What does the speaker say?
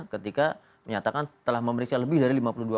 ketika menyatakan telah memeriksa lebih dari lima belas tahun